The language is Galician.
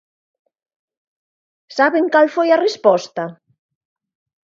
¿Saben cal foi a resposta?